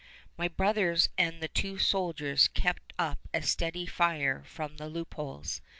My brothers and the two soldiers kept up a steady fire from the loopholes.